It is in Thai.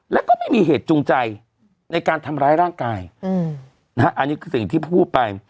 แล้วก็ไม่มีเหตุจูงใจในการทำร้ายร่างกายอันนี้คือสิ่งที่พูดไป